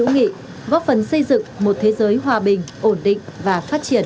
nghị góp phần xây dựng một thế giới hòa bình ổn định và phát triển